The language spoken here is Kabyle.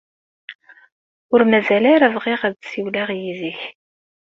Ur mazal ara bɣiɣ ad ssiwleɣ yid-k.